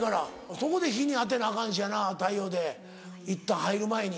そこで日に当てなアカンしやな太陽でいったん入る前に。